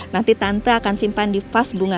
nanti tante akan simpan di vas bunga